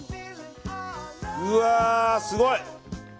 うわあ、すごい！